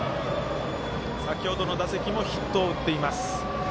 先ほどの打席もヒットを打っています。